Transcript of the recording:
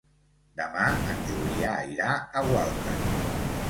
Demà en Julià irà a Gualta.